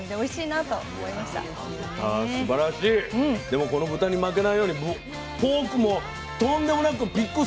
でもこの豚に負けないように「ポーク」も「とん」でもなく「ピッグ」